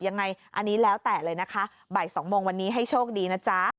ยังไงอันนี้แล้วแต่เลยนะคะบ่าย๒โมงวันนี้ให้โชคดีนะจ๊ะ